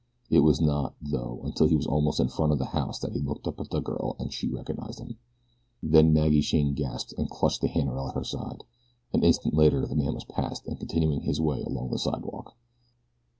It was not, though, until he was almost in front of the house that he looked up at the girl and she recognized him. Then Maggie Shane gasped and clutched the handrail at her side. An instant later the man was past and continuing his way along the sidewalk.